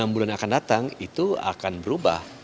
enam bulan yang akan datang itu akan berubah